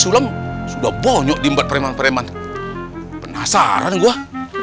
ustadz diarah pak aceh